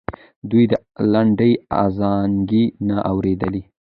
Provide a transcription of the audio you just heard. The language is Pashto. دوی د لنډۍ ازانګې نه اورېدلې.